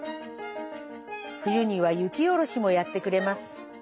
ふゆには雪おろしもやってくれます。